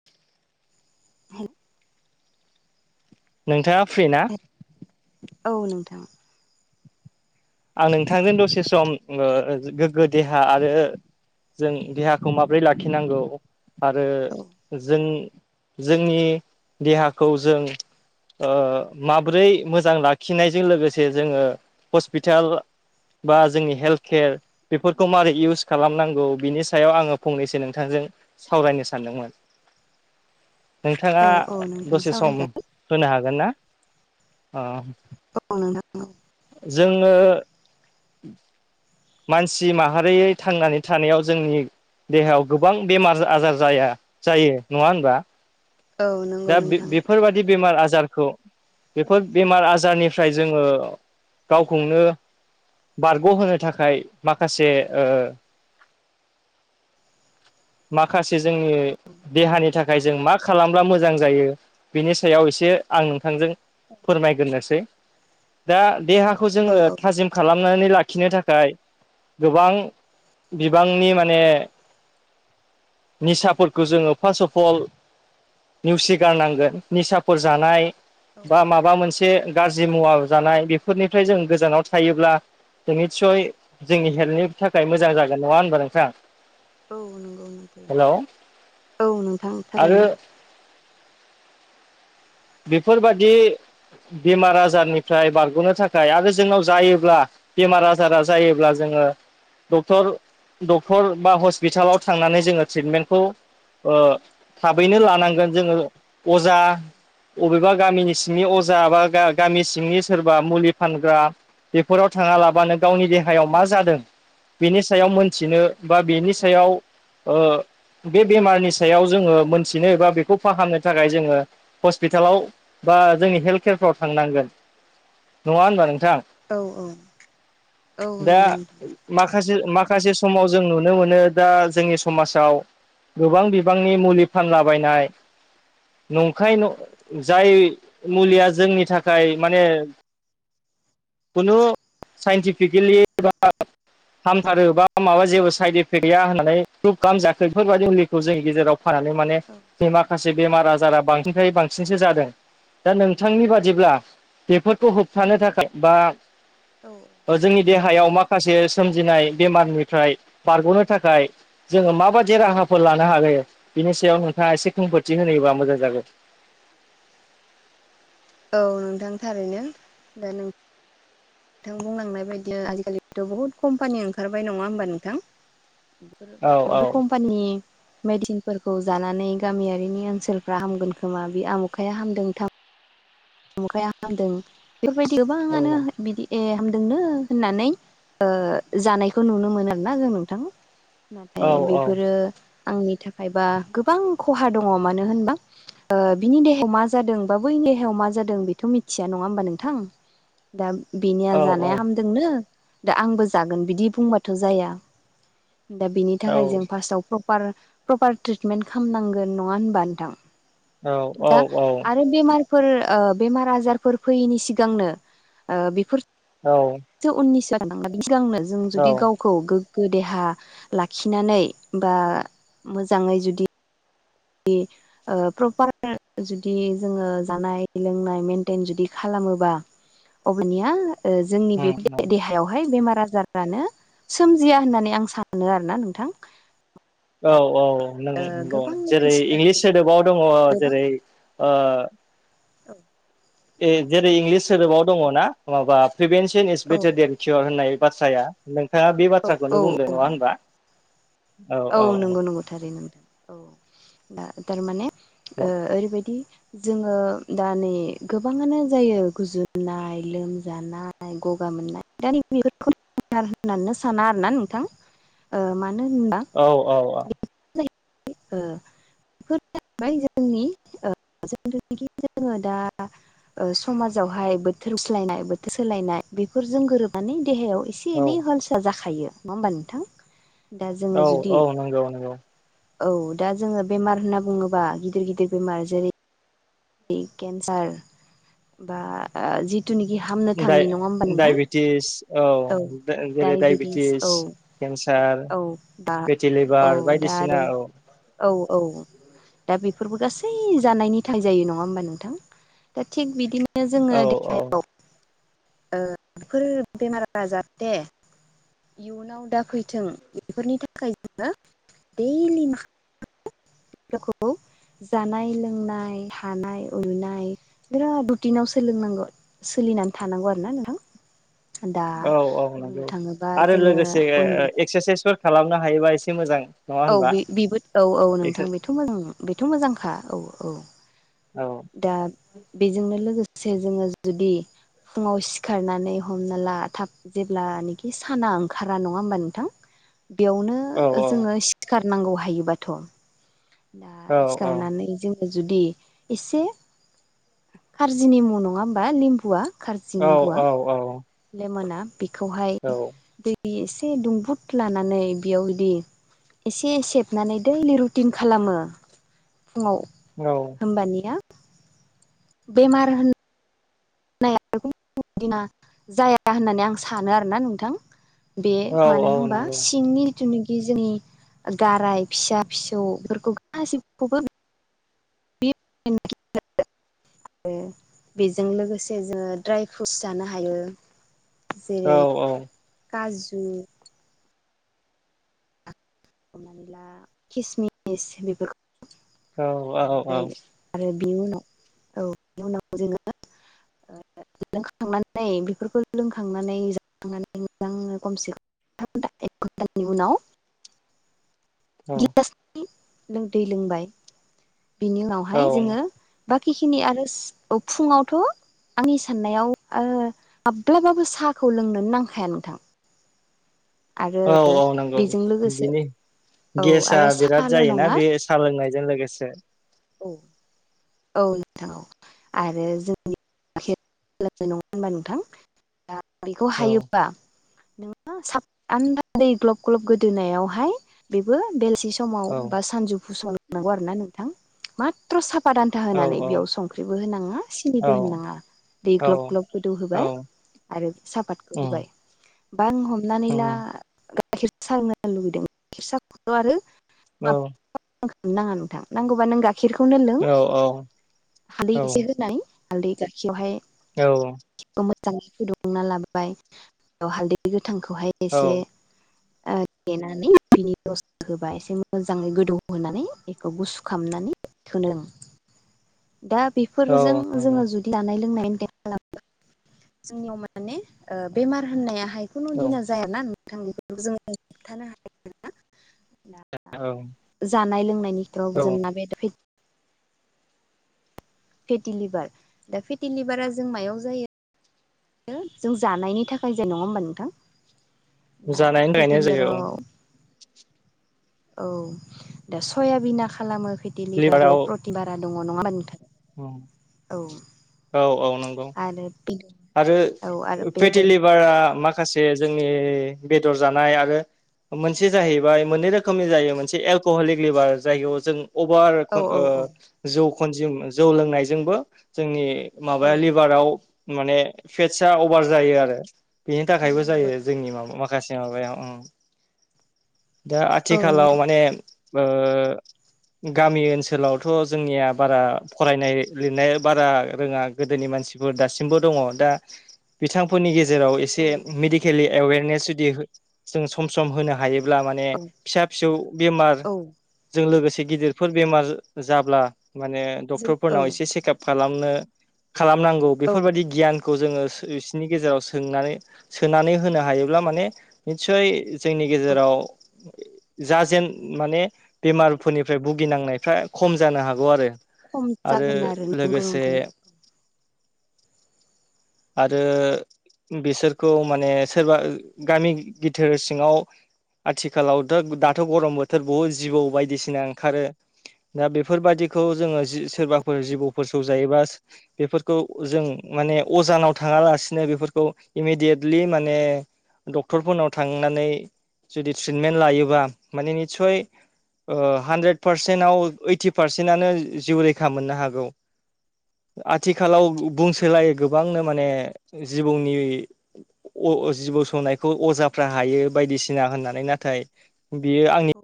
[inaudible] [unintelligible] नोंथाङा फ्रि ना? औ नोंथां। आं नोंथांजों दसे सम ओ गोग्गो देहा आरो जों देहाखौ माबोरै लाखिनांगौ आरो औ जों जोंनि देहाखौ जों ओ माब्रै मोजां लाखिनायजों लोगोसे जोङो पिटाल बा जोंनि हेल्थ केयार बेफोरखौ मारै इउस खालामनांगौ बिनि सायाव आङो फंनैसो नोंथांजों सावरायनो सानदोंमोन। नोंथाङा औ नोंथां दसे सम सावरायजा होनो हागोन ना? अ औ नोंथां ओं। जोङो [inaudible] मानसि माहारियै थांनानै थानायाव जोंनि देहायाव गोबां बेमार आजार जाया जायो। नङा होनबा? औ नंगौ दा बे नोंथां बेफोरबायदि बेमार आजारखौ बेफोर बेमार आजारनिफ्राय जोङो गावखौनो बारग'होनो थाखाय माखासे ओ माखासे जोंनि देहानि थाखाय जों मा खालामब्ला मोजां जायो बिनि सायाव एसे आं नोंथांजों फोरमायग्रोसै दा देहाखौ औ जोङो औ थाजिम खालामनानै लाखिनो था थाखाय गोबां बिबांनि माने निसाफोरखौ जोङो फार्स्ट अफ अल। नेवसि गारनांगोन निसाफोर जानाय। औ बा माबा मोनसे गाज्रि मुवा जानाय बेफोरनिफ्राय जों गोजानाव थायोब्ला निसय जोंनि हेल्थनि थाखाय मोजां जागोन नङा होनबा नोंथां? औ नंगौ हेलौ [unintelligible] औ नोंथां आरो थारैनो। बेफोरबायदि बेमार आजारनिफ्राय बारग'नो थाखाय आरो जोंनाव जायोब्ला बेमार आजारा जायोब्ला जोङो डक्टर डक्टर बा हस्पिटालाव थांनानै जोङो ट्रिटमेन्टखौ ओ थाबैनो लानांगोन जोङो अजा अबेबा गामिनि सिंनि अजा बा गा- गामि सिंनि सोरबा मुलि फानग्रा बेफोराव थाङा लाबानो गावनि हायाव औ मा जादों बेनि सायाव मोनथिनो बा बेनि औ सायाव ओ बे बेमारनि सायाव जोङो मोनथिनो एबा बेखौ फाहामनो थाखाय जोङो हस्पिटालाव बा जोंनि हेल्थ केयारफ्राव थांनांगोन नङा होनबा नोंथां। औ औ औ दा नंगौ नोंथां माखासे माखासे समाव जों नुनो मोनो दा जोंनि समाजाव गोबां बिबांनि मुलि फानलाबायनाय न खाय जाय औ मुलिया जोंनि थाखाय माने खुनु साइन्टिफिकेलि [unintelligible] हामथारो बा माबा जेबो साइड इफेक्ट गैया होननानै प्रुभ खालामजाखै बेफोरबायदि मुलिखौ जोंनि गेजेराव फानानै माने औ बे माखासे बेमार आजारा बां निफ्राय बांसिनसो जादों दा नोंथांनि बादिब्ला बेफोरखौ थानो थाखाय नंगौ बा औ जोंनि देहायाव माखासे सोमजिनाय बेमारनिफ्राय बारग'नो थाखाय जोङो माबायदि राहाफोर लानो हागायो बिनि सायाव नोंथाङा एसे खोंफोरथि होनयोबा मोजां जागोन। औ नोंथां थारैनो दा नों थां बुंलांनाय बायदिया आजिखालिथ' बहुत कम्पानि ओंखारबाय नङा होमबा नोंथां। औ बेफोर कम्पानि मेडिसिनफोरखौ जानानै गामियारिनि ओनसोलफ्रा हामगोन खोमा बे आमुखाया हामदों थाम [unintelligible] हामदों बेफोरबायदि औ गोबाङानो बिदि ए हामदोंनो होननानै ओ जानायखौ नुनो मोनो [unintelligible] जों नोंथां नाथाय औ औ बेफोरो आंनि थाखायबा गोबां खहा दङ मानो होनबा ओ बिनि देहायाव मा जादों बा बैनि देहायाव मा जादों बेथ' मिथिया नङा होनबा नोंथां दा बिनिया औ जानाय औ जोंनो दा आंबो जागोन बिदि बुंबाथ' जाया। दा बेनि थाखाय जों फार्स्टआव प्र प्रार प्रपार ट्रिटमेट खालामनांगोन नङा होनबा नोंथां दा आरो बेमारफोर ओ बेमार - आजारफोर फैयैनि सिगांनो ओ बेफोर औ। उननि [unintelligible] सिगांनो जों जुदि औ गाव गोगो देहा लाखिनानै बा मोजाङै जुदि बे ओ प्रपार जुदि जोङो जानाय लोंनाय मेेनटेन जुदि खालामोबा अबेनिया ओ जोंनि बे उम उम देहायावहाय बेमार आजार [unintelligible] सोमजिया होननानै आं सानो आरोना नोंथां। औ औ नों ओ नंगौ गोबां जेरै मानसिफ्रानो इंलिस सोदोबाव दङ गोबां जेरै ओ ए जेरै इंलिस सोदोबाव दङना माबा प्रिभेनसन इज औ बेटेरियेल कियर होननाय बाथ्राया। नोंथाङा बे औ औ बाथ्राखौनो बुंदों औ नङा होनबा? औ, नंगौ- नंगौ थारैनो औ दा थारमाने औ ओ ओरैबायदि जोङो दा नै गोबाङानो जायो गुजुनाय, लोमजानाय गगा मोननाय दा नि बे होननानै साना आरोना नोंथां। ओ मानो होनबा औ- औ -औ। ओ बेफोर जाबाय जोंनि जोङो दा समाजावहाय बोथोर सोलायनाय -बोथोर सोलायनाय बेफोरजों गोरोबनानै देहायाव एसे- औ एनै हलसआ जाखायो नङा होमबा नोंथां? दा जोङो जुदि नोंगौ -नोंगौ। औ, दा जोङो बेमार होनना बुङोबा गिदिर - गिदिर बेमार जेरै केन्सार बा जिथुनाखि हामनो थाङि नङा होमबा नोंथां? औ औ जेरै डायबेटिस दडाइबेटिस, औ केन्सार औ दा औ -तिलिभार दा बायदिसिना आरो औ। औ औ। दा बेफोरबो गासै जानायनि थाइ जायो नङा होमबा नोंथां? दा थिग बिदिनो बिनो जोङो औ औ देहायाव ओ बेफोर बेमारआ जाहाथे इयुनाव दाफैथों बेफोरनि थाखाय जोङो दैलि मा [unintelligible] जानाय, लोंनाय, हानाय, उरुनाय बिराद रुटिनाव सोलोंनांगौ। सोलिनानै थानांगौ आरो ना नोंथां। दा औ औ बुंनो नंगौ थाङोबा आरो जोङो लोगोसे उन्दुबाय एक्सारसाइसफोर खालाम औ बेबो औ औ नोंथां एक्सार बेथ' मोजां-बेथ' मोजांखा औ औ औ दा बेजोंनो लोगोसे लोगोसे जोङो जुदि फुङाव सिखारनानै हमना ला थाब जेब्लानोखि साना ओंखारा नङा होमबा नोंथां? बेयावनो औ औ जोङो सिखारनांगौ हायोबाथ'। दा औ औ सिखारनानै जों जुदि एसे खारजि निमुं नङा होमबा लिम्बुआ? खारजि औ निमबुआ। औ औ। लेमना, बेखौहाय औ दै एसे दुंब्रुद लानानै बेयाव बिदि एसे सेबनानै दैलि रुटिन खालामो फुङाव औ। होमबानिया बेमार होन -नाया बेना जाया होननानै आं सानो आरोना नोंथां। बे औ मानो औ होनबा नंगौ सिंनि जिथुनाखि जोंनि गाराय फिसा फिसौफोरखौ गासिबखौबो [unintelligible] आरो बेजों लोगोसे जोङो ड्राय फ्रुटस जानो हायो जेरै औ काजु हमनानै ला खिसमिस बेफोरखौ औ ओमफ्राय औ-औ आरो बिनि उनाव, औ बेनि उनाव जोङो ओ लोंखांनानै बेफोरखौ लोंखांनानै जाखांनानै मोजां खमसे खम [unintelligible] एक घन्टानि उनाव गिलासनै दै लोंबाय बिनि औ उनावहाय जोङो बाखिखिनि आरो फुङावथ' आंनि साननायाव ओ माब्लाबाबो साहाखौ लोंनोनो नांखाया नोंथां आरो औ औ नंगौ बेजों लोगोसे बिदिनि औ गेसआ आरो बिराद साहाल' जायोना नङा बे सा लोंनायजों लोगोसे औ औ नोंथां औ आरो [unintelligible] नङा होनबा नोंथां दा बेखौ औ हायोबा नों [unintelligible] दै ग्लब ग्लब गोदोनायावहाय बेबो बेलसि समाव औ बा सानजौफु संनांगौ आरो ना नोंथां मा [unintelligible] साफा दान्था औ होनानै बेयाव संख्रिबो होनाङा औ सिनिबो होननाङा दै औ ग्लब ग्लब गोदौ होबाय औ आरो सापातखौ उम होबाय बा आं हमनानै ला उम गाइखेर सा लोंनो लुबैदों गाइखेर सा आरो [unintelligible] औ खालामनो नाङा नोंथां नांगौबा नों गा गाइखिरखौनो लों औ हालदै औ एसे होनानै हालदै गाखेरयावहाय औ खौ मोजाङै फुदुंना लाबाय बे हालदै गोथांखौहाय औ एसे ओ देनानै बिनि दस होबा एसे मोजाङै गोदौहोनानै बेखौ गुसु खामनानै सोनदों दा औ बेफोरजों जोङो नंगौ जुदि दानाय लोंनाय मेनटे जोंनियाव माने ओ बेमार होननायाहाय खुनु औ दिना जाय ना [unintelligible] बेफोरखौ जोङो हथानो हायो दा औ जानाय लोंनायनिफ्राव औ जोंना बेदर फेटिलिभार दा फेटिलिभारा जों मायाव जायो जों जानायनि थाखाय जे नङा होम्बा नोंथां दा जानायनि फेटि थाखायनाय जायो औ लिभाराव औ दा सयाबिना खालामो फेटिलिभारियाव लिभाराव प्र बारा दङ' नङा होनबा नोंथां औ औ औ नंगौ आरो बिग आरो फेटिलिभारा माखासे जोंनि बेदर जानाय आरो मोनसे औ जाहैबाय मोननै रोखोमनि जायो मोनसे एलक'हलिक लिभार जायगायाव जों अभार औ ओ औ जौ खनजिम जौ लोंनायजोंबो जोंनि औ माबाया लिभाराव माने फेटसा अभार जायो आरो बेनि नंगौ थाखायबो नंगौ जायो जोंनि माबा माखासे माबायाव उम दा औ आथिखालाव माने ओ गामि ओनसोलावथ' जोंनिया बारा फरायनाय लिरनाया बारा रोङा गोदोनि मानसिफोर दासिमबो दङ' दा बिथांफोरनि गेजेराव एसे औ मेडिक केलि एवेनेसेदि जोङो सम सम होनो हायो अब्ला माने औ फिसा फिसौ बेमार औ जों लोगोसे गिदिरफोर बेमार जाब्ला माने जों औ डक्टरफोरनाव एसे सेेकाप खालामनो खालामनांगौ औ बेफोरबायदि गियान खौ जोङो बिसिनि गेजेराव सोंनानै सोनानै होनो हायोब्ला माने निस्सय जोंनि गेजेराव जाजेन माने बेमारफोरनिफ्राय भुगिनांनायफ्रा खम जानो हागौ आरो खम आरो जागोन नंगौ लोगोसे। नोंथां आरो बिसोरखौ माने सोरबा गामि बिथिर सिङाव आथिखालावथ' दाथ' गरम बोथोर बुहुद जिबौ बायदिसिना ओंखारो। दा बेफोरबादिखौ जोंङो जि सोरबाफोर जिबौफोर सौजायोबा बेफोरखौ जों माने अजानाव थाङालासिनो बेफोरखौ इमिडियेटलि माने डक्टरफोरनाव थांनानै जुदि ट्रिटमेन्ट लायोबा माने निस्सय ओ हानद्रेद पारसेन्टाव ओइटि पारसेन्टनो जिउ रैखा मोननो हागौ आथिखालाव बुंसोलाय गोबांनो माने जिबौनि अ अ जिबौ सौनायखौ अजाफ्रा हायो बायदिसिना होननानै नाथाय बियो आंनि औ